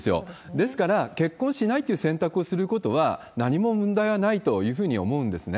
ですから、結婚しないっていう選択をすることは、何も問題はないというふうに思うんですね。